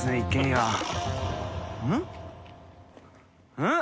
うん？